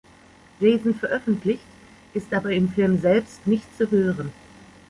Jason veröffentlicht, ist aber im Film selbst nicht zu hören.